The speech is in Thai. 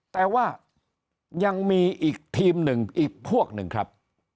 แต่ว่ายังมีอีกทีมหนึ่งอีกพวกหนึ่งครับ